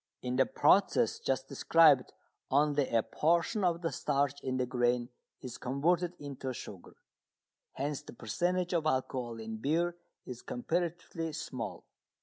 In the process just described only a portion of the starch in the grain is converted into sugar, hence the percentage of alcohol in beer is comparatively small.